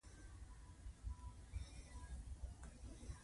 دوی د ګوډ تیمور د حملو سره مقاومت وکړ.